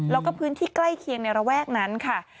แล้วก็พื้นที่ใกล้เคียงในระแวกนั้นค่ะ